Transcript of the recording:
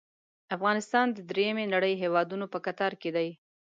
افغانستان د دریمې نړۍ هیوادونو په کتار کې دی.